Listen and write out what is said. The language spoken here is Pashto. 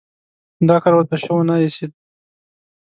دا کار ورته شه ونه ایسېده.